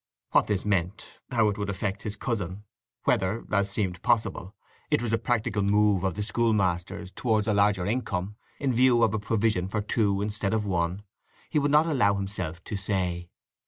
What this meant; how it would affect his cousin; whether, as seemed possible, it was a practical move of the schoolmaster's towards a larger income, in view of a provision for two instead of one, he would not allow himself to say.